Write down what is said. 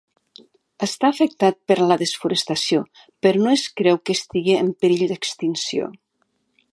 Està afectat per la desforestació però no es creu que estigui en perill d'extinció.